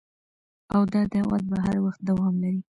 او دا دعوت به هر وخت دوام لري